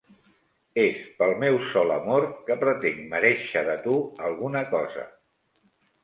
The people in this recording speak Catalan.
És pel meu sol amor que pretenc merèixer de tu alguna cosa.